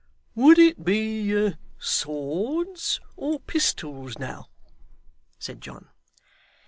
'Would it be swords or pistols, now?' said John.